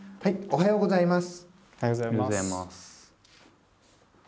おはようございます。